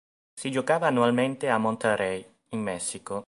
Si giocava annualmente a Monterrey in Messico.